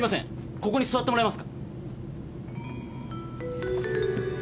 ここに座ってもらえますか？